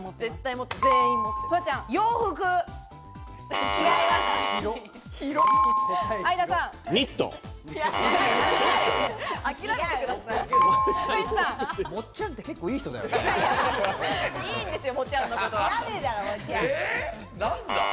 もっちゃんって結構いい人ですよね。